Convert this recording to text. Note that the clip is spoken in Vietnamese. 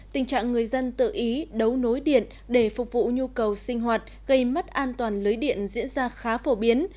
tình trạng người dân tự ý đấu nối điện để phục vụ nhu cầu sinh hoạt gây mất an toàn lưới điện diễn ra khá phổ biến